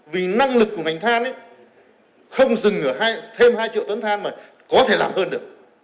vì năng lực của ngành than không dừng ở thêm hai triệu tấn than mà có thể làm hơn được